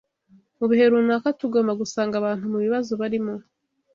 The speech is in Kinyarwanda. Mu bihe runaka, tugomba gusanga abantu mu bibazo barimo.